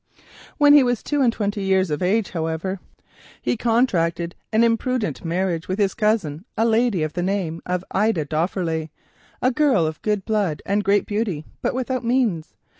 When he was two and twenty years of age, however, he contracted an imprudent marriage with his cousin, a lady of the name of Ida Dofferleigh, a girl of good blood and great beauty, but without means.